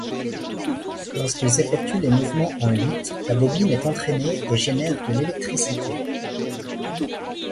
Lorsqu’ils effectuent les mouvements en huit, la bobine est entraînée et génère de l’électricité.